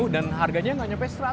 tidak ada yang tidak bisa dihormati